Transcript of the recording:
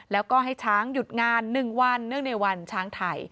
แล้วก็ให้ช้างหยุดงาน๑วันเนื่องในวันช้างไทย